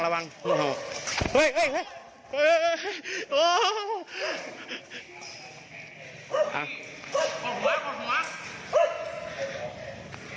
ออกหัวออกหัว